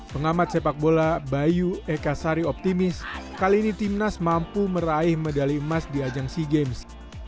pengamat sepak bola bayu ekasari optimis kali ini timnas mampu meraih medali emas di ajang sea games